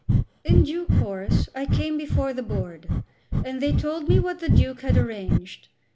In due course I came before the Board, and they told me what the Duke had arranged.